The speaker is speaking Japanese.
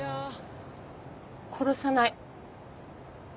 殺さない。